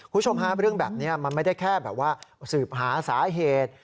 คุณชมฮาเรื่องแบบนี้มันไม่ได้แค่เสิริมหาสาเหตุ